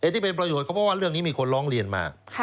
ที่เป็นประโยชนเขาเพราะว่าเรื่องนี้มีคนร้องเรียนมา